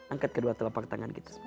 angkat kedua telapak tangan kita